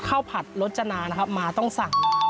ข้าวผัดรสจนะนะครับมาต้องสั่งนะครับ